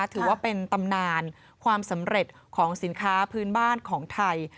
ถือว่าเป็นตำนานความสำเร็จของสินค้าพื้นบ้านของไทย